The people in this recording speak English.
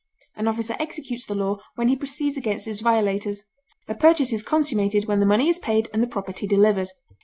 An officer executes the law when he proceeds against its violators; a purchase is consummated when the money is paid and the property delivered.